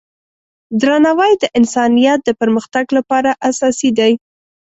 درناوی د انسانیت د پرمختګ لپاره اساسي دی.